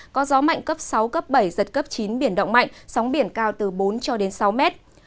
có gió mạnh cấp sáu cấp bảy giật cấp chín biển động mạnh sóng biển cao từ bốn cho đến sáu mét